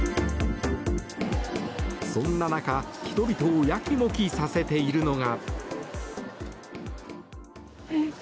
そんな中、人々をやきもきさせているのが。